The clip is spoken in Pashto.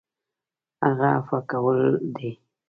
هغه عفوه کول دي .